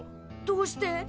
どうして？